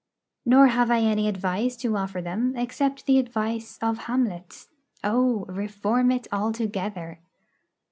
Nor have I any advice to offer them except the advice of Hamlet: 'O, reform it altogether.'